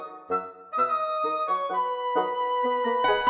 gi epic pendidikan arah